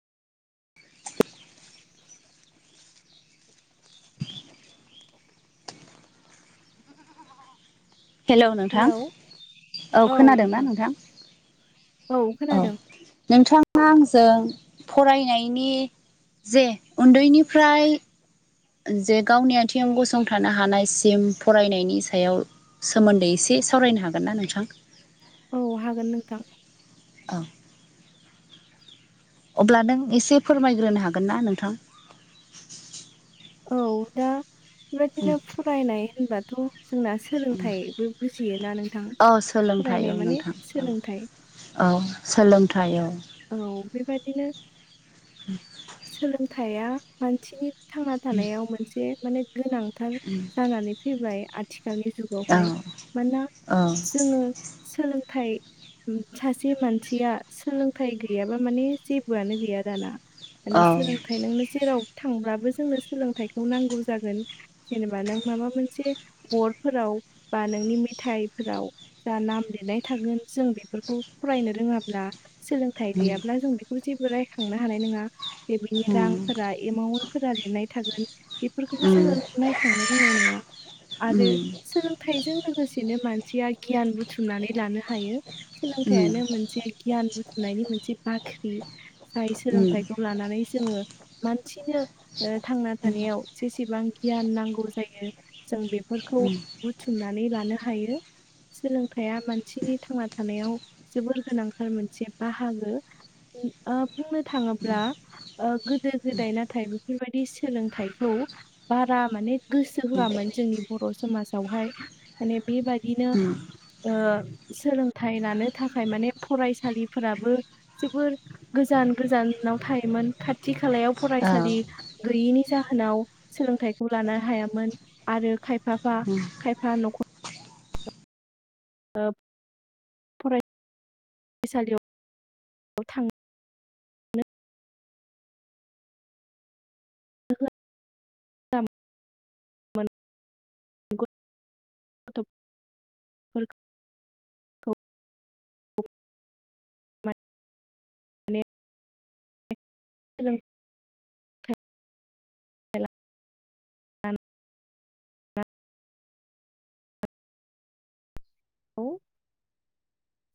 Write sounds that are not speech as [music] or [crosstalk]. हेल' नोंथां हेलौ औ खोनादोंना नोंथां? औ अ खोनादों नोंथां। आंजों फरायनायनि जे उन्दैनिफ्राय जे गावनि आथिं गसंथानो हानायसिम फरायनायनि सायाव सोमोन्दै एसे सावरायनो हागोन ना नोंथां। औ हागोन नोंथां? औ अब्ला नों एसे फोरमायग्रोनो हागोन ना नोंथां? औ दा बेबायदिनो फरायनाय होनबाथ' जोंना सोलोंथाइबो बुजियोना नोंथां। औ सोलोंथाइ फरायनाय औ माने नोंथां औ सोलोंथाइ। औ सोलोंथाइ औ। औ बेबादिनो सोलोंथाइया मानसिनि थांना थानायाव मोनसे माने गोनांथार जानानै फैबाय आथिखालनि औ जुगावहाय मानोना औ जोङो सोलोंथाइ ओम सासे मानसिया सोलोंथाइ गैयाबा माने जेबोआनो गैया दाना। औ माने सोलोंथाइ नोंनो जेराव थांब्लाबो जोंनो सोलोंथाइखौ नांगौ जागोन। जेनेबा नों माबा मोनसे बर्डफोराव बा नोंनि मेथाइफोराव जा नाम लिरनाय थागोन जों बेफोरखौ फरायनो रोङाब्ला सोलोंथाइ उम गैयाब्ला जों बेखौ जेबो रायखांनो हानाय नङा। बेबायनि रांफोरा एमाउन्टफोरा लिरनाय थागोन बेफोरखौबो उम जोङो नायखांनो रोंनाय नङा। उम आरो सोलोंथाइजों लोगोसेनो मानसिया गियान बुथुमनानै लानो हायो। उम सोलोंथाइयानो मोनसे गियान बुथुमनायनि मोनसे बाख्रि। जाय सोलोंथाइ उम नानै जोङो मानसिनो थांना ओ थानायाव जेसेबां गियान नांगौ जायो जों बेफोरखौ बुथुमनानै लानो हायो। सोलोंथाइआ मानसिनि थांना थानायाव जोबोर गोनांथार मोनसे बाहागो ओ बुंनो थाङो [unintelligible] ओ गोदो गोदाय नाथाय बेफोरबायदि सोलोंथाइखौ बारा माने गोसो होआमोन उम जोंनि बर' समाजावहाय माने बेबादिनो उम ओ सोलोंथाइ लानो थाखाय माने फरायसालिफोराबो जोबोर गोजान गोजान नाव थायोमोन खाथि खालायाव फरायसालि गैयिनि जाहोनाव सोलोंथाइखौ लानो हायामोन आरो खायफाफा औ खायफा नखर ओ फरायसालियाव थां [inaudible] [unintelligible] फोरखौ। [inaudible] माने [unintelligible] [unintelligible] खौ